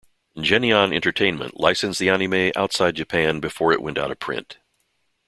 Geneon Entertainment licensed the anime outside Japan before it went out of print.